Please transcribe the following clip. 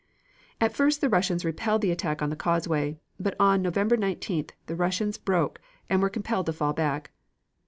At first the Russians repelled the attack on the causeway, but on November 19th the Russians broke and were compelled to fall back.